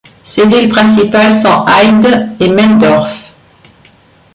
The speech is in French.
Ses villes principales sont Heide et Meldorf.